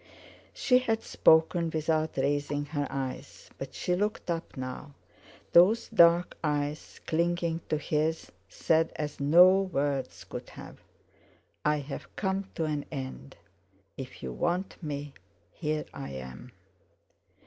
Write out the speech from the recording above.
She had spoken without raising her eyes, but she looked up now. Those dark eyes clinging to his said as no words could have: "I have come to an end; if you want me, here I am."